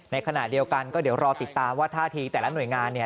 ในขณะเดียวกันก็เดี๋ยวรอติดตามว่าท่าทีแต่ละหน่วยงานเนี่ย